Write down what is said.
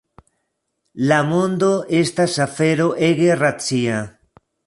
La mondo estas afero ege racia.